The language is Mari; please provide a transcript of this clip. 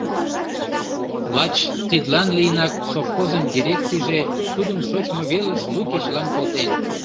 Лач тидлан лийынак совхозын дирекцийже тудым шочмо велыш лу кечылан колтен.